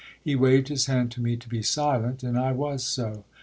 He waved his hand to me to be silent—and I was so.